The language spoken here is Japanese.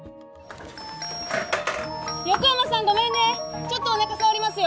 横山さん、ごめんね、ちょっとおなか触りますよ。